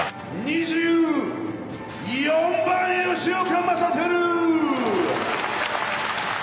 ２４番吉岡賢輝。